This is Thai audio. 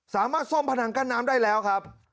สามารถซ่อมพนังกั้นน้ำได้แล้วครับ